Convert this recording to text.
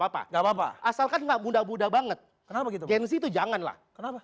apa apa enggak papa asalkan enggak muda muda banget kenapa gitu jens itu janganlah kenapa